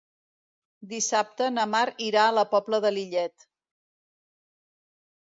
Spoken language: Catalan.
Dissabte na Mar irà a la Pobla de Lillet.